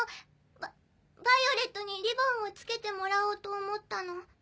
ヴァヴァイオレットにリボンを着けてもらおうと思ったの。